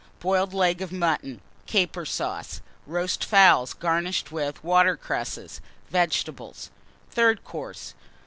Boiled Leg of Mutton, Caper Sauce. Roast Fowls, garnished with Water cresses. Vegetables. THIRD COURSE.